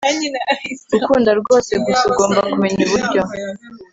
gukunda rwose gusa ugomba kumenya uburyo